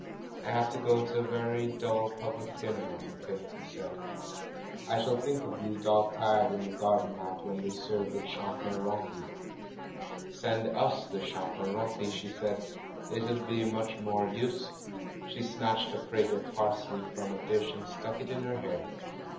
"I have to go to a very dull public dinner on the 5th," he said. "I shall think of you dog 414) THE MAN WHO UNDERSTOOD WOMEN tired in the Garden Act when they serve the chapon 7'dti/' "Send us the chapon rotif* she said, *'it'd be much more use." She snatched a sprig of pars ley from a dish and stuck it in her hair.